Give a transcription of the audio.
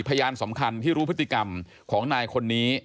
พยานสำคัญที่รู้พฤติกรรมของนายคนนี้